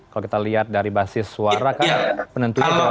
kalau kita lihat dari basis suara kan penentunya berapa